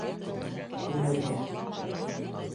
Күмергә.